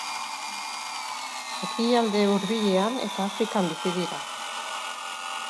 Ekialde Hurbilean eta Afrikan bizi dira.